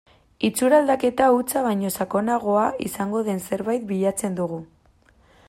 Itxura aldaketa hutsa baino sakonagoa izango den zerbait bilatzen dugu.